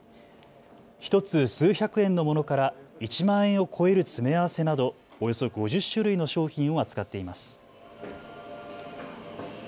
１つ数百円のものから１万円を超える詰め合わせなどおよそ５０種類の商品を扱っています。